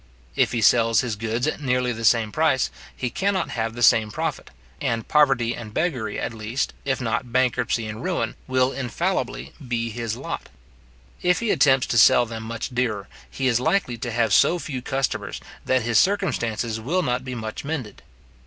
If he sells his goods at nearly the same price, he cannot have the same profit; and poverty and beggary at least, if not bankruptcy and ruin, will infallibly be his lot. If he attempts to sell them much dearer, he is likely to have so few customers, that his circumstances will not be much mended.